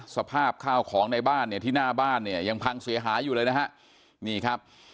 สภาพข้าวของในบ้านที่หน้าบ้านยังพังเสียหาอยู่เลยนะครับ